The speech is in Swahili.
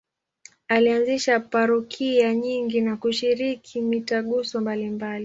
Alianzisha parokia nyingi na kushiriki mitaguso mbalimbali.